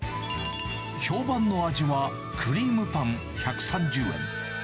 評判の味はクリームパン１３０円。